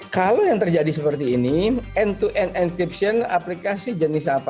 kalau yang terjadi seperti ini end to end entiption aplikasi jenis apa